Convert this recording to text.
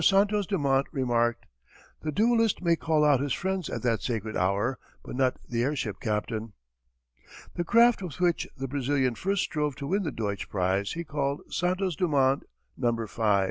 Santos Dumont remarked: "The duellist may call out his friends at that sacred hour, but not the airship captain." The craft with which the Brazilian first strove to win the Deutsch prize he called _Santos Dumont No. V.